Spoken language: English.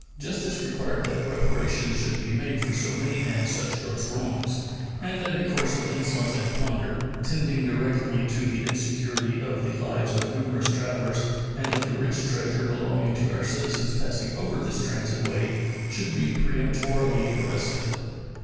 Justice required that reparation should be made for so many and such gross wrongs, and that a course of insolence and plunder, tending directly to the insecurity of the lives of numerous travelers and of the rich treasure belonging to our citizens passing over this transit way, should be peremptorily arrested.